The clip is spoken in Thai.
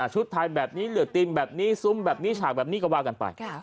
ชุดไทยแบบนี้เหลือตีนแบบนี้ซุ้มแบบนี้ฉากแบบนี้ก็ว่ากันไป